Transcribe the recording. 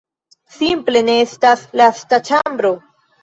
Simple, ne estas lasta ĉambro.